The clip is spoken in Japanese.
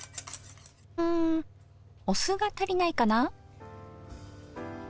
んお酢が足りないかな。